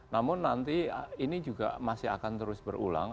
namun nanti ini juga masih akan terus berulang